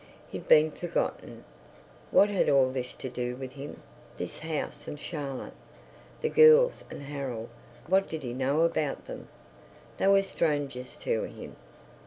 He'd been forgotten. What had all this to do with him—this house and Charlotte, the girls and Harold—what did he know about them? They were strangers to him.